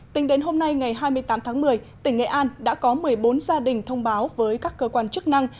tính đến hôm nay ngày hai mươi tám tháng một mươi tỉnh nghệ an đã có một mươi bốn gia đình thông báo với các cơ quan chức năng